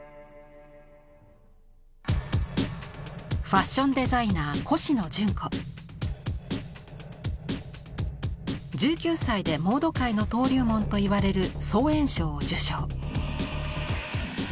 ファッションデザイナー１９歳でモード界の登竜門といわれる装苑賞を受賞。